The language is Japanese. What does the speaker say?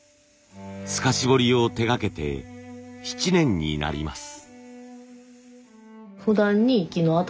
透かし彫りを手がけて７年になります。